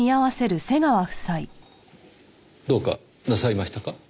どうかなさいましたか？